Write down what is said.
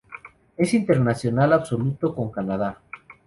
Es internacional absoluto con Canadá.